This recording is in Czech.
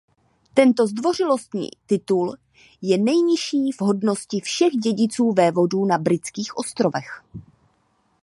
Tento zdvořilostní titul je nejnižší v hodnosti všech dědiců vévodů na Britských ostrovech.